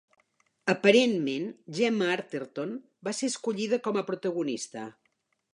Aparentment, Gemma Arterton va ser escollida com a protagonista.